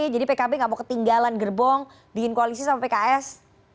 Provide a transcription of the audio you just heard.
jadi pkb gak mau ketinggalan gerbong bikin koalisi sama pks